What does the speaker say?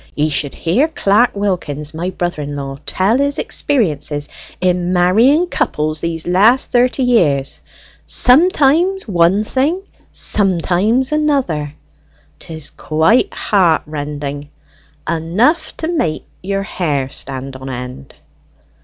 "Ye should hear Clerk Wilkins, my brother law, tell his experiences in marrying couples these last thirty year: sometimes one thing, sometimes another 'tis quite heart rending enough to make your hair stand on end."